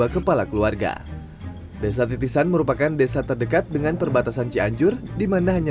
kepala keluarga desa titisan merupakan desa terdekat dengan perbatasan cianjur dimana hanya